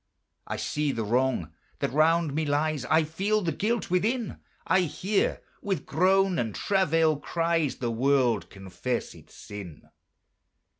I see the wrong that round me lies, I feel the guilt within; I hear, with groan and travail cries, The world confess its sin.